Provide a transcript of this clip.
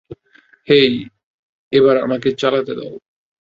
হেই, এবার আমাকে চালাতে দাও।